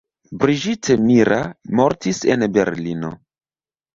Brigitte Mira mortis en Berlino.